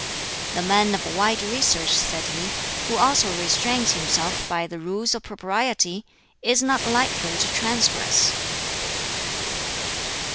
"The man of wide research," said he, "who also restrains himself by the Rules of Propriety, is not likely to transgress."